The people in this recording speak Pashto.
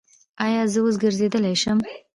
ایا زه اوس ګرځیدلی شم؟